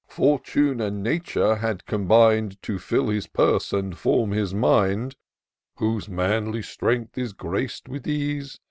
Fortune and Nature had combin'd To fill his purse and form his mind ; Whose manly strength is grac'd with ease.